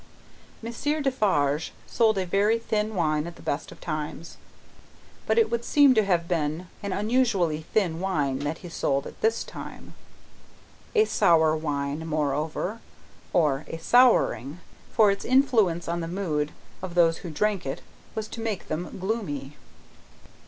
Monsieur Defarge sold a very thin wine at the best of times, but it would seem to have been an unusually thin wine that he sold at this time. A sour wine, moreover, or a souring, for its influence on the mood of those who drank it was to make them gloomy.